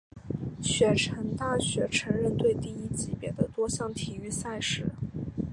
雪城大学橙人队第一级别的多项体育赛事。